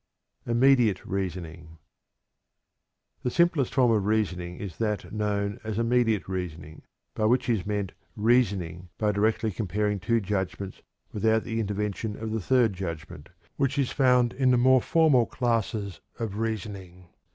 IMMEDIATE REASONING. The simplest form of reasoning is that known as "immediate reasoning," by which is meant reasoning by directly comparing two judgments without the intervention of the third judgment, which is found in the more formal classes of reasoning.